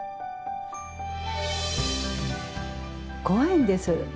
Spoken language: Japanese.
怖いんです。